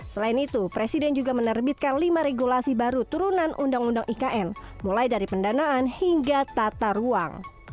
selain itu presiden juga menerbitkan lima regulasi baru turunan undang undang ikn mulai dari pendanaan hingga tata ruang